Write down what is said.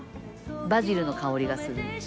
バジルの香りがする。